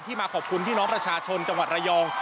มาขอบคุณพี่น้องประชาชนจังหวัดระยอง